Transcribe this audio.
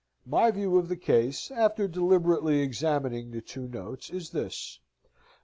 My view of the case, after deliberately examining the two notes, is this: No.